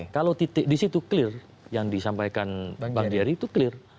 kalau titik disitu clear yang disampaikan bang jiri itu clear